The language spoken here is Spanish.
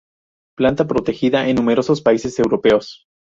Planta protegida en numerosos países europeos.